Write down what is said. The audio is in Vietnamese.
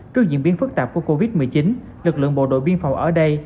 trước diễn biến phức tạp của covid một mươi chín lực lượng bộ đội biên phòng ở đây